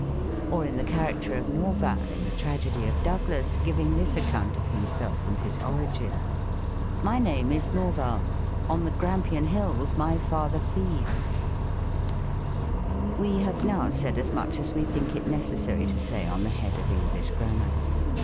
Or in the character of Nerval, in the tragedy of Douglas, giving this account of himself and his origni :" My name is Nerval. On the Grampian hills My father feeds." ADDRESS TO YOUNG STtJDENTS. 139 We have now said as much as we think it necessary to say on the head of English Grammar.